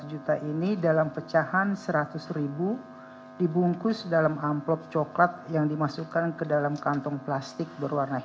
dua ratus juta ini dalam pecahan seratus ribu dibungkus dalam amplop coklat yang dimasukkan ke dalam kantong plastik berwarna